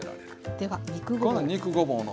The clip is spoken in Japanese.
では肉ごぼう。